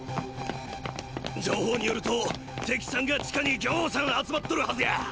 情報によると敵さんが地下に仰山集まっとるハズや！